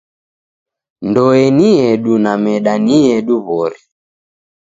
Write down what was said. Ndoe ni yedu na meda ni yedu w'ori.